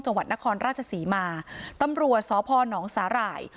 จังหวัดนครราชสีมาตำรัวสอพ้อน้องสาหร่าย